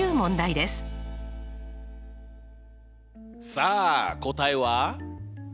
さあ答えは？